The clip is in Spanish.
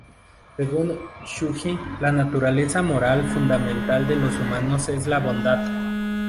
Según Zhu Xi, la naturaleza moral fundamental de los humanos es la bondad.